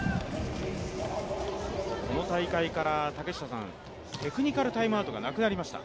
この大会からテクニカルタイムアウトがなくなりました。